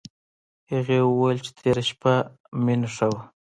هغې وویل چې تېره شپه مينه ښه وه